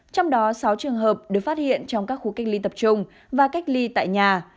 trong đó sáu trường hợp được phát hiện trong các khu cách ly tập trung và cách ly tại nhà